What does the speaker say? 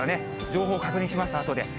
情報を確認します、あとで。